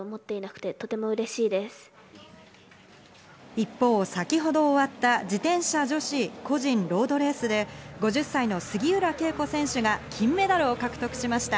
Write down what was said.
一方、先ほど終わった自転車女子個人ロードレースで、５０歳の杉浦佳子選手が金メダルを獲得しました。